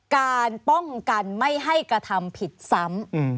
การป้องกันไม่ให้กระทำผิดซ้ำ